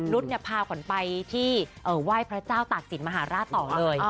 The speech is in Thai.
นุษย์เนี่ยพาผ่านไปที่ไหว้พระเจ้าตากสินมหาราชต่อเลย